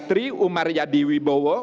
tri umar yadi wibowo